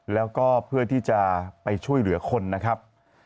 แล้วก็เพื่อที่จะไปช่วยเหลือคนนะครับ